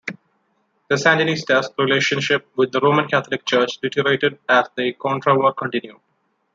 The Sandinistas' relationship with the Roman Catholic Church deteriorated as the Contra War continued.